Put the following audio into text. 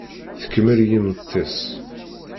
Tkemmel i yimeṭṭi-s.